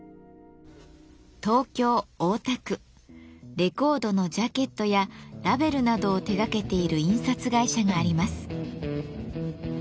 レコードのジャケットやラベルなどを手がけている印刷会社があります。